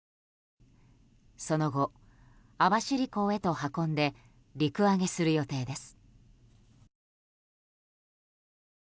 その後、網走港へと運んで陸揚げする予定です。